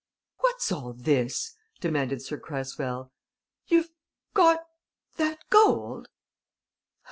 "What's all this?" demanded Sir Cresswell. "You've got that gold?"